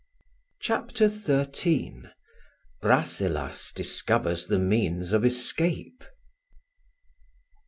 CHAPTER XIII RASSELAS DISCOVERS THE MEANS OF ESCAPE.